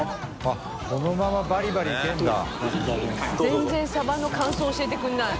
全然サバの感想教えてくれない。